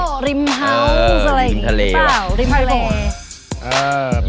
โอ้โหริมเฮาส์ไรหรือเปล่า